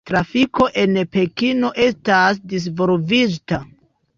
Trafiko en Pekino estas disvolviĝinta.